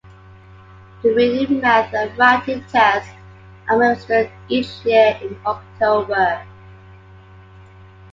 The reading, math and writing tests are administered each year in October.